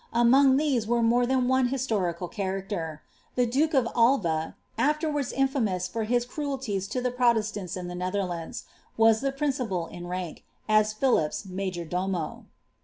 Among these was more than one historical character; the dakf of Alva — afterwards in&mous for his cruelties to the Proleeianu ia the Netherlands — was the principal in mnk, as Philippe major domo.